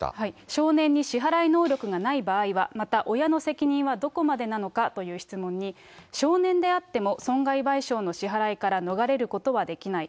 少年に支払い能力がない場合は、また親の責任はどこまでなのかという質問に、少年であっても損害賠償の支払いから逃れることはできない。